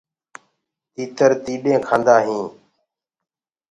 تيٚتر تيڏينٚ ڪآندآ هينٚ۔